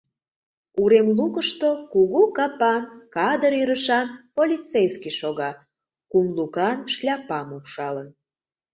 Урем лукышто кугу капан, кадыр ӧрышан полицейский шога, кум лукан шляпам упшалын.